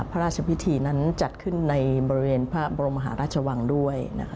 พระราชพิธีนั้นจัดขึ้นในบริเวณพระบรมหาราชวังด้วย